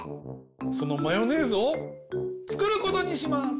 そのマヨネーズをつくることにします！